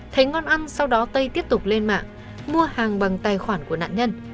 thấy ngon ăn sau đó tây tiếp tục lên mạng mua hàng bằng tài khoản của nạn nhân